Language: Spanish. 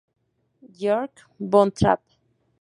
Georg von Trapp.